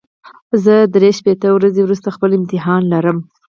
زه درې شپېته ورځې وروسته خپل امتحان لرم.